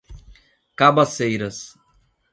Cabaceiras